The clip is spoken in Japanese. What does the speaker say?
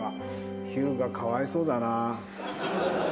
日向かわいそうだな。